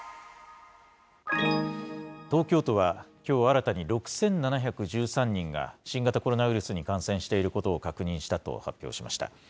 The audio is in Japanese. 東京都はきょう新たに、６７１３人が新型コロナウイルスに感染していることを確認したと発表しました。